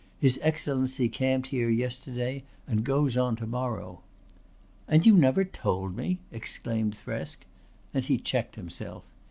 His Excellency camped here yesterday and goes on to morrow." "And you never told me!" exclaimed Thresk, and he checked himself.